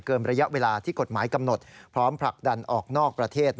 ระยะเวลาที่กฎหมายกำหนดพร้อมผลักดันออกนอกประเทศ